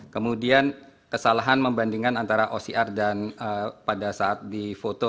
kemudian kesalahan membandingkan antara ocr dan pada saat di foto